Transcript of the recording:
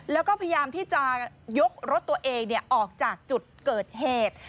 แล้วก็พยายามที่จะยกรถตัวเองออกจากจุดเกิดเหตุ